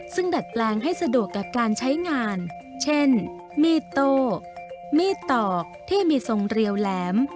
ซึ่งดัดแปลงให้สะดวกกับการใช้งานเช่นมีดโต้มีดตอกที่มีทรงเรียวแหลม